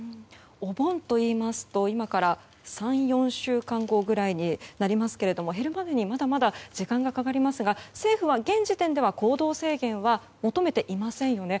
お盆といいますと今から３４週間後ぐらいになりますけれども減るまでに、まだまだ時間がかかりますが政府は、現時点では行動制限は求めていませんよね。